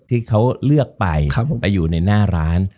ที่เขาเลือกไปไปอยู่ในหน้าร้าน